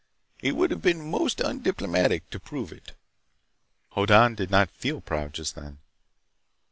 It would have been most undiplomatic to prove it." Hoddan did not feel very proud, just then.